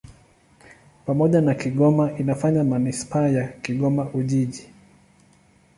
Pamoja na Kigoma inafanya manisipaa ya Kigoma-Ujiji.